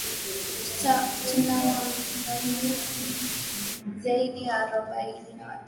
tunawaangalizi zaidi ya arobaini na watano ambao wanafwatilia kila kitu kinachoendelea